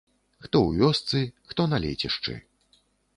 Хто ў вёсцы, хто на лецішчы.